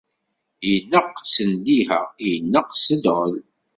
Ineqq s ndiha, ineqq s ddɣel.